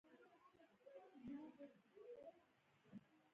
څوک چې په زړه کې ویره لري، مخکې نه ځي.